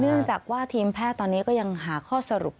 เนื่องจากว่าทีมแพทย์ตอนนี้ก็ยังหาข้อสรุป